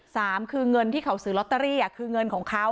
สามคือเงินที่เขาซื้อลอตเตอรี่คือเงินของเขา